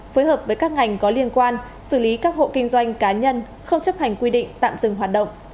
phối hợp với các ngành có liên quan xử lý các hộ kinh doanh cá nhân không chấp hành quy định tạm dừng hoạt động